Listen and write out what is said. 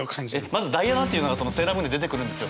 まず「ダイアナ」というのが「セーラームーン」で出てくるんですよ。